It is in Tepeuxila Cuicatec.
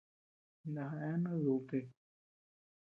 Na eanuu dudtï.